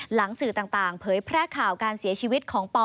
สื่อต่างเผยแพร่ข่าวการเสียชีวิตของปอ